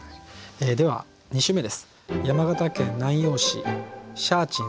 では２首目です。